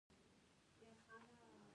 هرات د افغانستان طبعي ثروت دی.